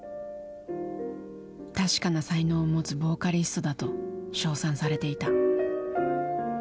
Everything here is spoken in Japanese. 「確かな才能を持つボーカリストだ」と称賛されていた。